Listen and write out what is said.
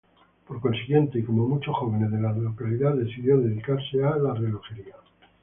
Por consiguiente, y como muchos jóvenes de la localidad decidió dedicarse a la relojería.